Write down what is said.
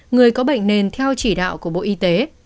người có bệnh nền theo chỉ đạo của bộ y tế